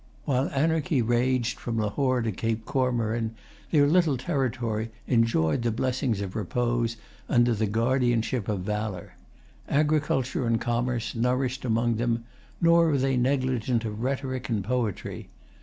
While anarchy raged from Lahore to Cape Comorin, their little territory enjoyed the blessings of repose under the guardianship of valor. Agriculture and commerce nourished among them; nor were they negligent of rhetoric and poetry.